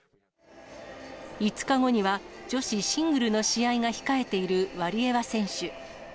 ５日後には女子シングルの試合が控えているワリエワ選手。